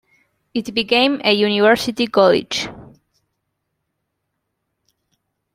It became a university college.